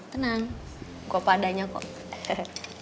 senang gue apa adanya kok